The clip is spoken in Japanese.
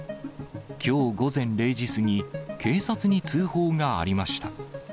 きょう午前０時過ぎ、警察に通報がありました。